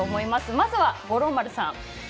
まずは五郎丸さん。